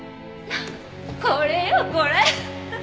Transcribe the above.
これよこれ。